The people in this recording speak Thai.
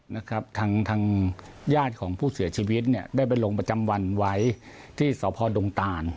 นะครับทางทางญาติของผู้เสียชีวิตเนี่ยได้ไปลงประจำวันไว้ที่สพดงตาน